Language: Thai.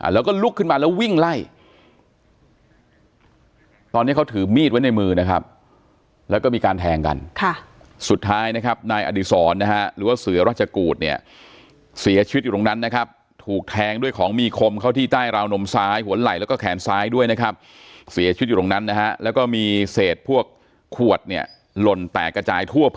แล้วก็ลุกขึ้นมาแล้ววิ่งไล่ตอนนี้เขาถือมีดไว้ในมือนะครับแล้วก็มีการแทงกันสุดท้ายนะครับนายอดีศรนะฮะหรือว่าเสือราชกูธเนี่ยเสียชีวิตอยู่ตรงนั้นนะครับถูกแทงด้วยของมีคมเข้าที่ใต้ราวนมซ้ายหัวไหล่แล้วก็แขนซ้ายด้วยนะครับเสียชีวิตอยู่ตรงนั้นนะฮะแล้วก็มีเศษพวกขวดเนี่ยหล่นแตกกระจายทั่ว